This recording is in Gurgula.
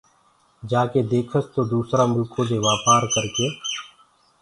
جآڪي ديکس تو دوٚسرآ مُلڪو دي وآپآر ڪرڪي